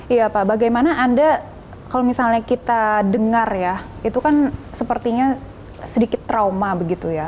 iya pak bagaimana anda kalau misalnya kita dengar ya itu kan sepertinya sedikit trauma begitu ya